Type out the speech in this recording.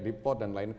di pot dan lain lain